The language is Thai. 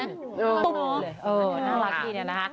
ตุ๊บน่ารักทีเนี่ยนะคะ